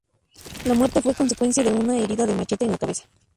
La muerte fue consecuencia de una herida de machete en la cabeza.